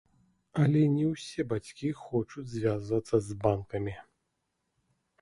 Але не ўсе бацькі хочуць звязвацца з банкамі.